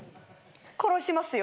「殺しますよ」